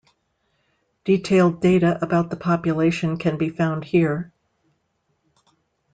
Detailed data about the population can be found here.